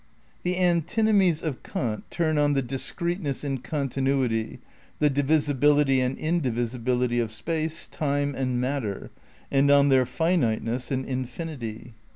The antinomies of Kant turn on the discreteness in continuity, the divisibility and indivisibility of space, time and matter, and on their finiteness and infinity.